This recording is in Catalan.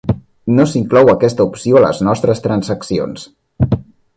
No s'inclou aquesta opció a les nostres transaccions.